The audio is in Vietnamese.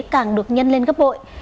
càng được nhân lên gấp bội